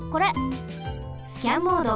スキャンモード。